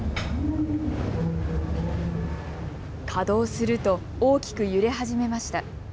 稼働すると大きく揺れ始めました。